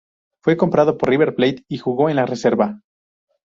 Fue comprado por River Plate y jugo en la reserva.